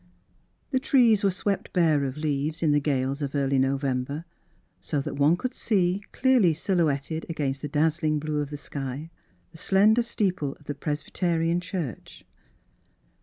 The trees were swept bare of leaves in the gales of early November so that one could see, clearly silhouetted against the daz zling blue of the sky, the slender steeple of the Presbyterian church.